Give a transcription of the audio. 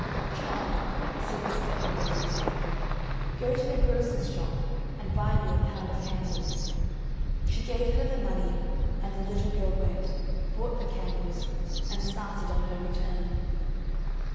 "Child," said the stepmother one day, "go to the grocer's shop and buy me a pound of candles." She gave her the money; and the little girl went, bought the candles, and started on her return.